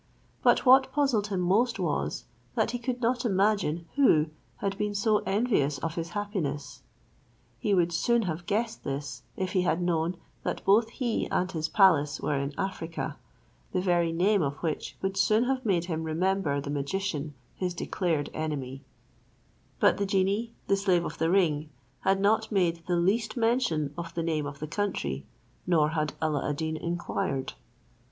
But what puzzled him most was, that he could not imagine who had been so envious of his happiness. He would soon have guessed this, if he had known that both he and his palace were in Africa, the very name of which would soon have made him remember the magician his declared enemy; but the genie, the slave of the ring, had not made the least mention of the name of the country, nor had Alla ad Deen inquired.